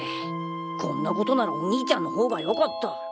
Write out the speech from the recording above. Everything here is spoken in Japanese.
こんなことならお兄ちゃんの方がよかった。